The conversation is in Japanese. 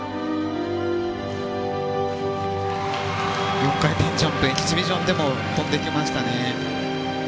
４回転ジャンプエキシビションでも跳んできましたね。